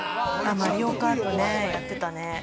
『マリオカート』やってたね。